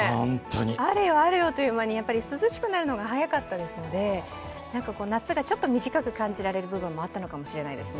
あれよあれよという間に、涼しくなるのが早かったので夏がちょっと短く感じられる部分もあったのかもしれませんね。